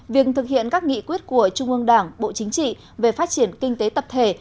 việc thực hiện các nghị quyết của trung ương đảng bộ chính trị về phát triển kinh tế tập thể